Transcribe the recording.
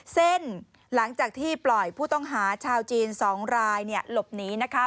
หลังจากที่ปล่อยผู้ต้องหาชาวจีน๒รายหลบหนีนะคะ